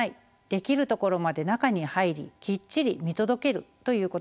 できるところまで中に入りきっちり見届けるということです。